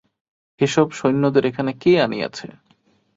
এ-সব সৈন্যদের এখানে কে আনিয়াছে?